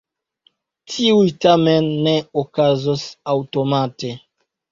Tiuj tamen ne okazos aŭtomate.